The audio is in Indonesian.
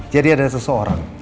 jadi ada seseorang